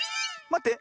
まって。